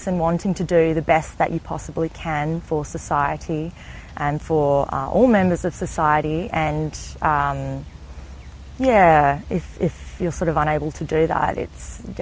itu pasti tidak menarik